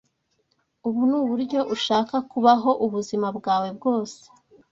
Ubu nuburyo ushaka kubaho ubuzima bwawe bwose?